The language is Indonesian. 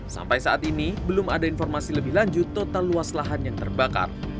sampai saat ini belum ada informasi lebih lanjut total luas lahan yang terbakar